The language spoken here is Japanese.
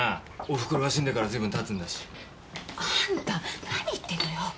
お袋が死んでからずいぶんたつんだしあんた何言ってんのよ